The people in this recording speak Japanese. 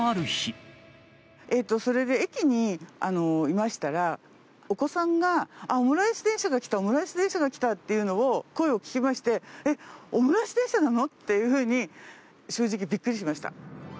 それで駅にいましたら、お子さんが、あっ、オムライス電車が来た、オムライス電車が来たっていうのを声を聞きまして、えっ、オムライス電車なの？っていうふうに正直、びっくりしました。